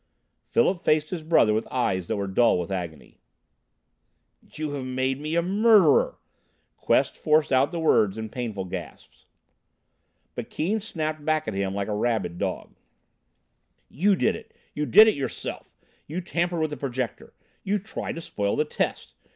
Philip faced his brother with eyes that were dull with agony. "You have made me a murderer!" Quest forced out the words in painful gasps. But Keane snapped back at him like a rabid dog. "You did it you did it yourself! You tampered with the Projector. You tried to spoil the test.